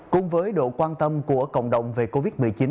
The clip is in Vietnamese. cùng với độ quan tâm của cộng đồng về covid một mươi chín